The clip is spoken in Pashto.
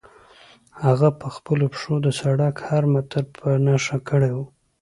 هغه په خپلو پښو د سړک هر متر په نښه کړی و.